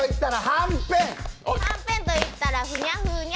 はんぺんといったらふにゃふにゃ。